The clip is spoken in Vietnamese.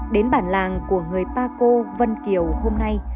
đến bản làng của người ba cô vân kiều hôm nay